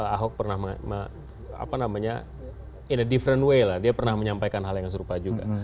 ahok pernah apa namanya in a difference way lah dia pernah menyampaikan hal yang serupa juga